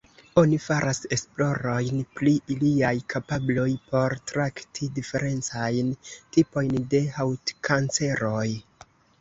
Oni faras esplorojn pri iliaj kapabloj por trakti diferencajn tipojn de haŭtkanceroj.